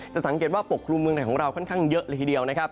สังเกตว่าปกครุมเมืองไหนของเราค่อนข้างเยอะเลยทีเดียวนะครับ